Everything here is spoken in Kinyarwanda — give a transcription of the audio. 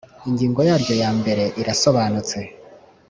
ingingo yaryo ya mbere irasobanutse